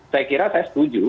saya kira saya setuju